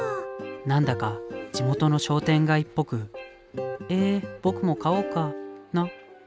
なんだか地元の商店街っぽくえ僕も買おうかな。